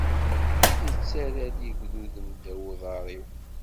Ittarra-d igduden ddaw uḍar-iw.